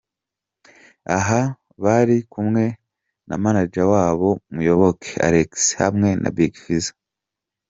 Aha bari kumwe na manager wabo Muyooke Alex hamwe na Big Fizo